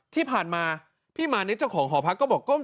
ที่ผ่านมาพี่มานิดเจ้าของหอพักก็บอก